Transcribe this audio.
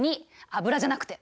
油じゃなくて。